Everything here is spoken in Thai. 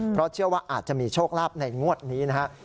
เพราะเชื่อว่าอาจจะมีโชคลาภในงวดนี้นะครับ